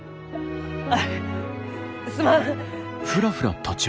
あすまん！